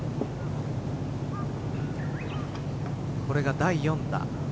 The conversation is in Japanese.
これが第４打。